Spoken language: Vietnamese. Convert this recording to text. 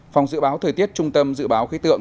phòng dự báo thời tiết trung tâm dự báo khí tượng